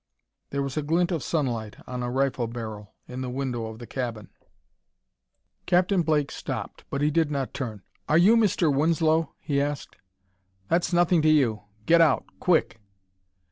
There was a glint of sunlight on a rifle barrel in the window of the cabin. Captain Blake stopped, but he did not turn. "Are you Mr. Winslow?" he asked. "That's nothing to you! Get out! Quick!"